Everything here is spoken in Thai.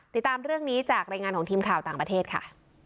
ติดตามเรื่องนี้จากรายงานของทีมข่าวต่างประเทศค่ะ